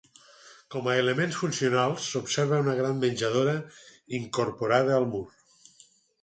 Com a elements funcionals s'observa una gran menjadora incorporada al mur.